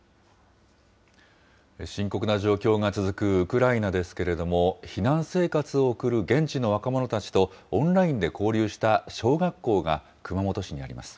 深刻な状況が続くウクライナですけれども、避難生活を送る現地の若者たちと、オンラインで交流した小学校が、熊本市にあります。